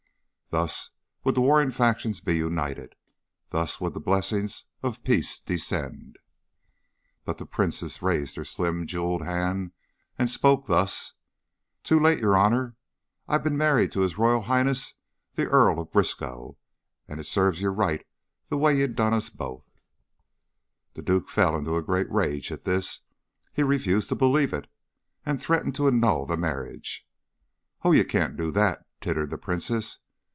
Thus would the warring factions be united, thus would the blessings of peace descend But the princess raised her slim, jeweled hand, and spoke thus: "Too late, Your Honor! I been married to His Royal Highness the Earl of Briskow, and it serves you right the way you done both of us." The duke fell into a great rage at this. He refused to believe it, and threatened to annul the marriage. "Oh, you can't do that," tittered the princess.